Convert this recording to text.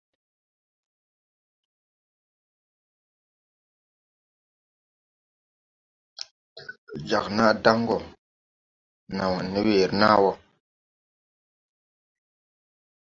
Jag nàa daŋ gɔ na waɗ ne weere nàa wɔ.